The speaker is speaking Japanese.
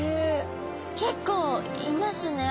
結構いますね。